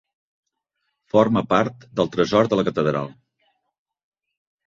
Forma part del Tresor de la Catedral.